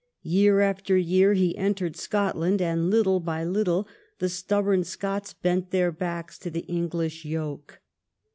Year after year he entered Scotland, and little by little the stubborn Scots bent their backs to the English yoke.